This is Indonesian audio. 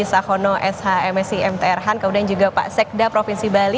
sahono sh msi mtr han kemudian juga pak sekda provinsi bali